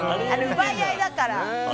奪い合いだから。